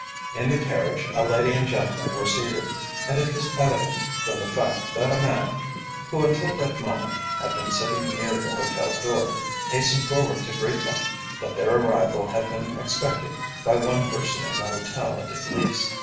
In the carriage a lady and gentleman were seated, and it was evident, from the fact that a man, who until that moment had been sitting near the hotel door hastened forward to greet them, that their arrival had been expected by one person in the hotel at least.